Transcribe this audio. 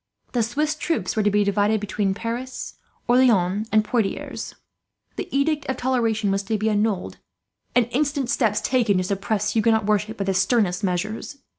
The Swiss troops were to be divided between Paris, Orleans, and Poitiers. The edict of toleration was to be annulled, and instant steps taken to suppress Huguenot worship by the sternest measures.